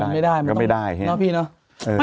ไม่ได้